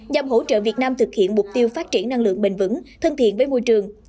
nhằm hỗ trợ việt nam thực hiện mục tiêu phát triển năng lượng bền vững thân thiện với môi trường